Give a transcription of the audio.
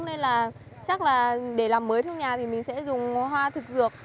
nên là chắc là để làm mới trong nhà thì mình sẽ dùng hoa thực dược